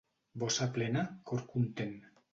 Bossa plena, cor content.